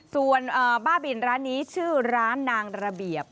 ส่วนบ้าบินร้านนี้ชื่อร้านนางระเบียบ